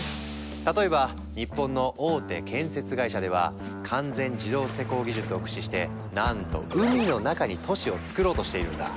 例えば日本の大手建設会社では完全自動施工技術を駆使してなんと海の中に都市をつくろうとしているんだ。